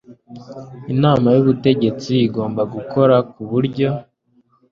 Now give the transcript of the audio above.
inama y ubutegetsi igomba gukora ku buryo